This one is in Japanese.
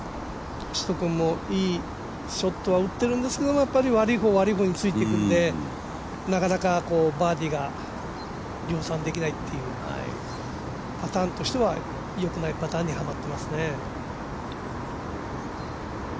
星野君もいいショットは打っているんですけれどもやっぱり悪い方、悪い方についていってるんでなかなかバーディーが量産できないという、パターンとしては良くないパターンにハマっていますね。